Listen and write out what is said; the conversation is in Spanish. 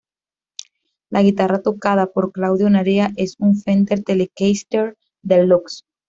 La guitarra tocada por Claudio Narea es una Fender Telecaster Deluxe.